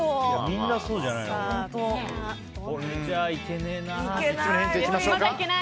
みんなそうじゃないのかな。